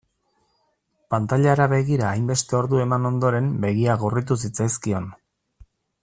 Pantailara begira hainbeste ordu eman ondoren begiak gorritu zitzaizkion.